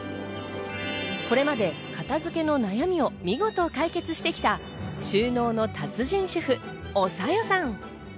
これまで片付けの悩みを見事解決してきた収納の達人主婦おさよさん。